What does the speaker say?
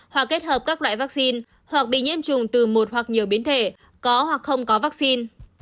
hoặc kết hợp các loại vaccine hoặc bị nhiễm trùng từ một hoặc nhiều biến thể có hoặc không có vaccine